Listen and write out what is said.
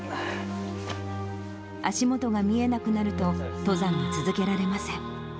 足元が見えなくなると、登山は続けられません。